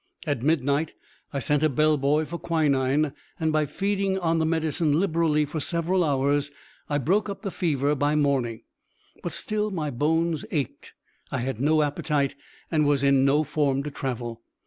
At midnight, I sent a bell boy for quinine, and by feeding on the medicine liberally, for several hours, I broke up the fever by morning; but still my bones ached. I had no appetite and was in no form to travel.